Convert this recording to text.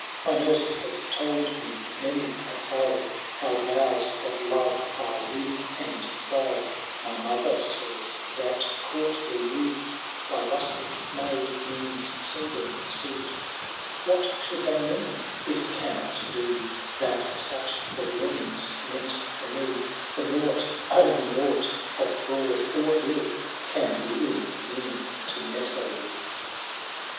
" My nurse has told me many a tale. How vows of love are weak and firail ; My mother says that courtly youth By rustic maid means seldom sooth. Canto If. HAROLD THK DAUNTLX88. 135 What should they mean ? it cannot be, That sueh a waming^s meant for me, For nought — oh 1 nought of fraud or ill Can William mean to Metelill ! VII.